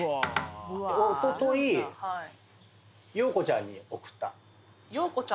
「おとといようこちゃんに送った」